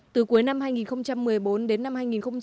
từ cuối năm hai nghìn một mươi bốn đến năm hai nghìn một mươi tám